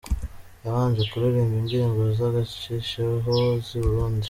Yabanje kuririmba indirimbo zagacishijeho z'i Burundi.